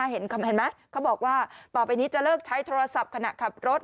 เห็นมั้ยเขาบอกว่าป้อบไปนี้จะเลิกใช้ธรรมสับขณะขับรถ